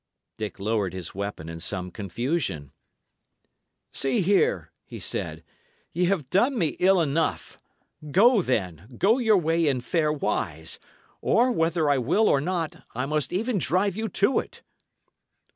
Dick lowered his weapon in some confusion. "See here," he said. "Y' have done me ill enough. Go, then. Go your way in fair wise; or, whether I will or not, I must even drive you to it."